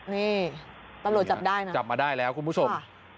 นี่ตำรวจจับได้น่ะนี่ค่ะจับมาได้แล้วคุณผู้ชมค่ะ